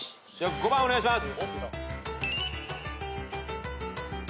５番お願いします。